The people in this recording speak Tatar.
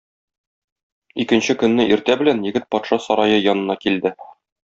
Икенче көнне иртә белән егет патша сарае янына килде.